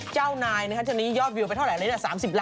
ช่วงนี้มดดำก็ไม่ยุ่งเหมือนกัน